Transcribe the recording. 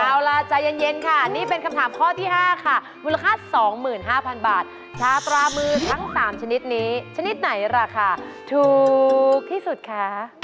เอาล่ะใจเย็นค่ะนี่เป็นคำถามข้อที่๕ค่ะมูลค่า๒๕๐๐๐บาทชาปลามือทั้ง๓ชนิดนี้ชนิดไหนราคาถูกที่สุดคะ